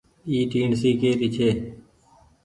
اي ٽيڻسي ڪي ري ڇي۔